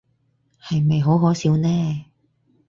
係咪好可笑呢？